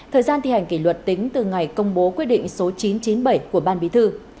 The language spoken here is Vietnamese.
thời gian thi hành kỷ luật tính từ ngày công bố quyết định số chín trăm chín mươi bảy của ban bí thư